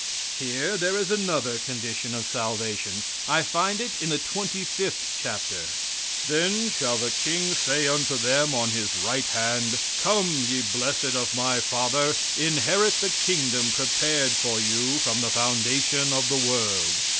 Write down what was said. Here there is another condition of salvation. I find it in the 25th chapter: "Then shall the King say unto them on His right hand, 'Come, ye blessed of my father, inherit the kingdom prepared for you from the foundation of the world.